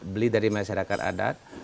beli dari masyarakat adat